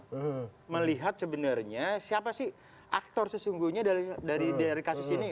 kita melihat sebenarnya siapa sih aktor sesungguhnya dari kasus ini